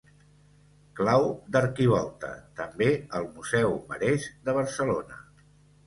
Clau d'arquivolta, també al Museu Marès de Barcelona.